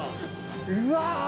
うわ！